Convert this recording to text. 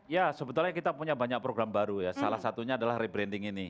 ya sebetulnya kita punya banyak program baru ya salah satunya adalah rebranding ini